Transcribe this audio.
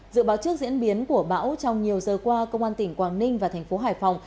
dự báo trước diễn biến của bão trong nhiều giờ qua công an tỉnh quảng ninh và thành phố hải phòng